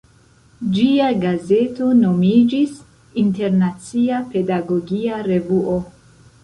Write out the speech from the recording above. Ĝia gazeto nomiĝis "Internacia Pedagogia Revuo.